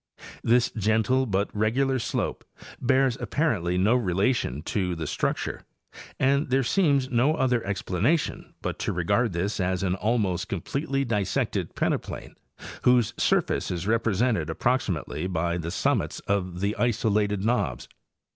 'This gentle but regular slope bears apparently no relation to the structure, and there seems no other explanation but to regard this as an almost completely dissected peneplain whose surface is represented ap proximately by the summits of the isolated knobs.